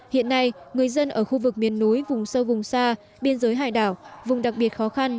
hiện nay người dân ở khu vực miền núi vùng sâu vùng xa biên giới hải đảo vùng đặc biệt khó khăn